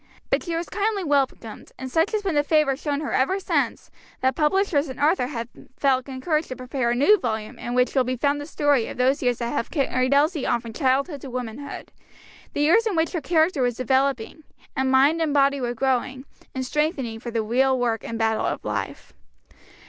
But she was kindly welcomed, and such has been the favor shown her ever since that Publishers and Author have felt encouraged to prepare a new volume in which will be found the story of those years that have carried Elsie on from childhood to womanhood the years in which her character was developing, and mind and body were growing and strengthening for the real work and battle of life.